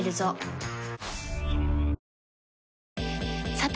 さて！